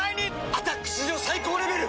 「アタック」史上最高レベル！